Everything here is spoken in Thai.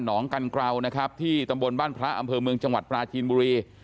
องกันกราวนะครับที่ตำบลบ้านพระอำเภอเมืองจังหวัดปลาจีนบุรี